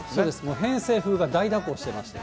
偏西風が大蛇行していまして。